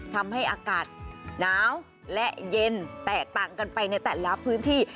ทำให้อากาศหนาวและเย็นแตกต่างกันไปในแต่ละพื้นที่